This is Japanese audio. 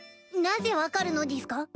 なぜ分かるのでぃすか？